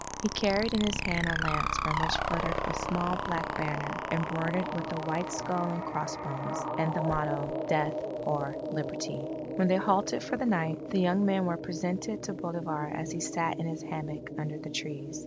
He carried in his hand a lance from which fluttered a small black banner, embroidered with a white skull and cross bones, and the motto: Death or Liberty When they halted for the night, the young men were presented to Bolivar as he sat in his hammock under the trees.